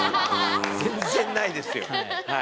全然ないですよ。